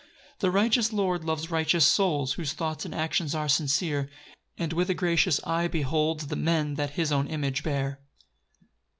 6 The righteous Lord loves righteous souls, Whose thoughts and actions are sincere; And with a gracious eye beholds The men that his own image bear.